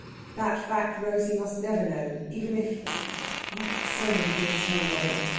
That fact Rosey must never know, even if ... well! so many things turned on it.